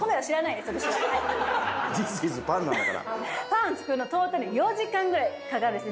パン作るのトータル４時間ぐらいかかるんですね。